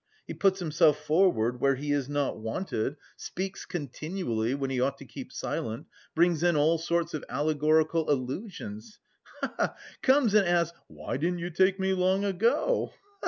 He puts himself forward where he is not wanted, speaks continually when he ought to keep silent, brings in all sorts of allegorical allusions, he he! Comes and asks why didn't you take me long ago?